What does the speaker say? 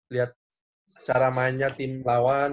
lihat cara mainnya tim lawan